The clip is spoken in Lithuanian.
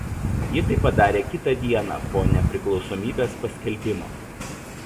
Ji tai padarė kitą dieną po nepriklausomybės paskelbimo.